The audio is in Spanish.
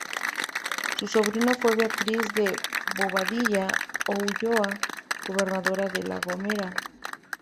Su sobrina fue Beatriz de Bobadilla y Ulloa, gobernadora de La Gomera.